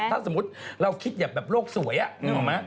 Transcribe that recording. ถ้าสมมุติเราคิดอย่างแบบโรคสวยอ่ะ